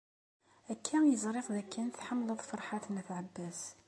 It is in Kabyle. Akka i ẓriɣ dakken tḥemmleḍ Ferḥat n At Ɛebbas.